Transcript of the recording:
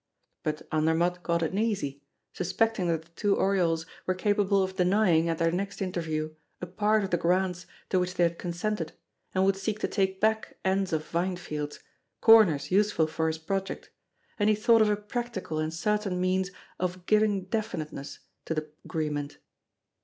But Andermatt got uneasy, suspecting that the two Oriols were capable of denying, at their next interview, a part of the grants to which they had consented and would seek to take back ends of vinefields, corners useful for his project; and he thought of a practical and certain means of giving definiteness to the agreement.